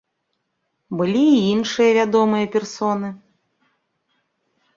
Былі і іншыя вядомыя персоны.